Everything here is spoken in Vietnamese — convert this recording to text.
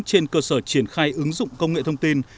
trên cơ sở triển khai ứng dụng công nghệ thông tin